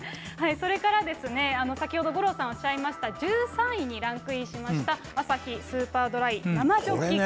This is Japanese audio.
それから、先ほど五郎さんおっしゃいました、１３位にランクインしました、アサヒスーパードライ生ジョッキ缶。